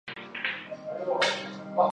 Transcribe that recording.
原为清代琅峤卑南道的其中一段。